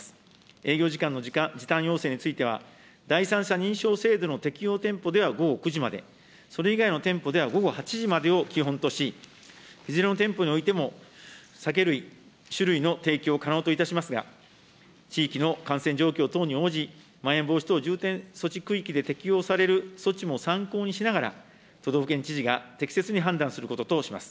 営業時間の時短要請については、第三者認証程度の適用店舗では午後９時まで、それ以外の店舗では午後８時までを基本とし、いずれの店舗においても酒類、酒類の提供を可能といたしますが、地域の感染状況等に応じ、まん延防止等重点措置区域で適用される措置も参考にしながら、都道府県知事が適切に判断することとします。